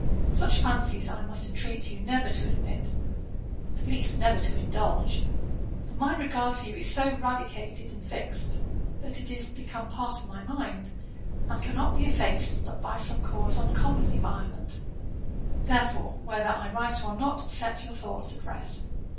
Such fancies I must entreat you never to admit, at least never to indulge: for my regard for you is so radicated and fixed, that it is become part of my mind, and cannot be effaced but by some cause uncommonly violent; therefore, whether I write or not, set your thoughts at rest.